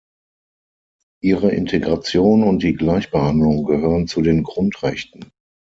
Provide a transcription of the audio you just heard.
Ihre Integration und die Gleichbehandlung gehören zu den Grundrechten.